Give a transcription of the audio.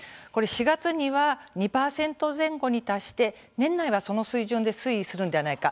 ４月には２％前後に達して年内はその水準で推移するのではないか。